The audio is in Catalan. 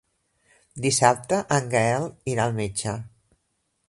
Dissabte en Gaël irà al metge.